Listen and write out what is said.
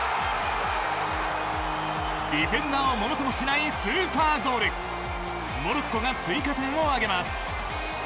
ディフェンダーをものともしないスーパーゴールモロッコが追加点を挙げます。